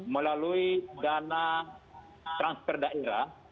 melalui dana transfer daerah